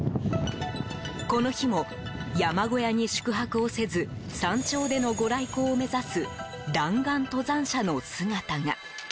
この日も、山小屋に宿泊をせず山頂でのご来光を目指す弾丸登山者の姿が。